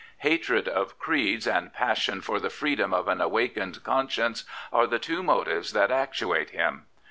Hatred of creeds and passion for the freedom of an awakened conscience are the two motives that actuate him.